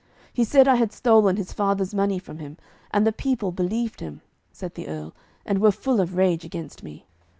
He said I had stolen his father's money from him. And the people believed him,' said the Earl, 'and were full of rage against me.